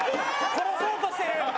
殺そうとしてる。